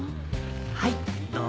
・はいどうぞ。